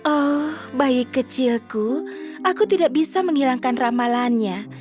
oh bayi kecilku aku tidak bisa menghilangkan ramalannya